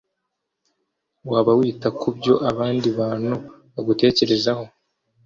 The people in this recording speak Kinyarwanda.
Waba wita kubyo abandi bantu bagutekerezaho